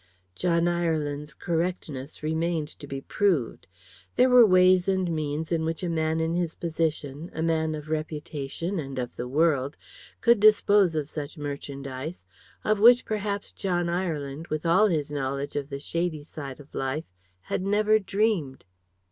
John Ireland's correctness remained to be proved. There were ways and means in which a man in his position a man of reputation and of the world could dispose of such merchandise, of which perhaps John Ireland, with all his knowledge of the shady side of life, had never dreamed.